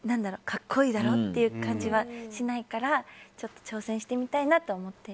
格好いいだろう？っていう感じはしないから挑戦してみたいなと思って。